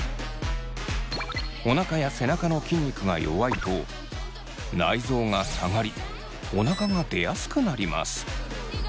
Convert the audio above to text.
おなかや背中の筋肉が弱いと内臓が下がりおなかが出やすくなります。